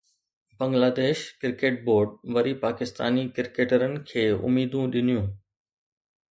Bangladesh cricket board وري پاڪستاني ڪرڪيٽرن کي اميدون ڏنيون